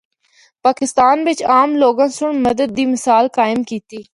پاکستان بچ عام لوگاں سنڑ مدد دی مثال قائم کیتی۔